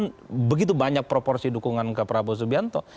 dan begitu banyak proporsi dukungan ke prabowo subianto